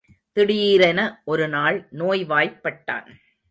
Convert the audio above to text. திடீரென ஒரு நாள் நோய்வாய்ப்பட்டான்.